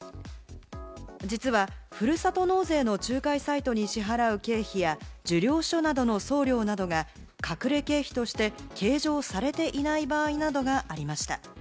実はふるさと納税の仲介サイトに支払う経費や、受領証などの送料などが隠れ経費として計上されていない場合などがありました。